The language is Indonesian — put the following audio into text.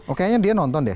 oh kayaknya dia nonton deh